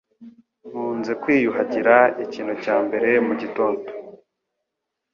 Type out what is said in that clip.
Nkunze kwiyuhagira ikintu cya mbere mugitondo.